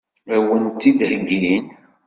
Ad wen-t-id-heggin?